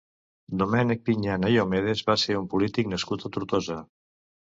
Domènec Pinyana i Homedes va ser un polític nascut a Tortosa.